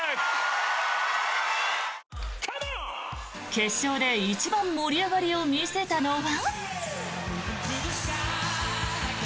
決勝で一番盛り上がりを見せたのは。